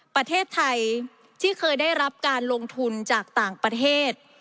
ประเทศไทยที่เคยได้รับการลงทุนจากต่างประเทศ